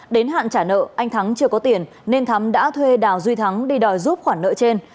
đến hạn trả nợ anh thắng chưa có tiền nên thắm đã thuê đào duy thắng đi đòi giúp khoản nợ trên